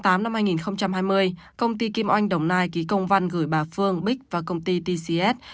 năm hai nghìn hai mươi công ty kim oanh đồng nai ký công văn gửi bà phương bích và công ty tcs